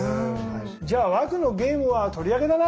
じゃあ和空のゲームは取り上げだな。